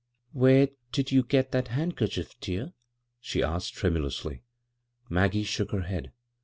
" Where did you get that handkerchief, dear P " she asked tremulously. Maggie shook her head.